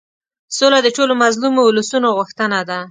سوله د ټولو مظلومو اولسونو غوښتنه ده.